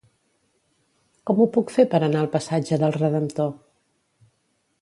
Com ho puc fer per anar al passatge del Redemptor?